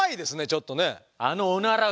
ちょっとね。